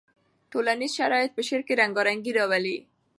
ټولنیز شرایط په شعر کې رنګارنګي راولي.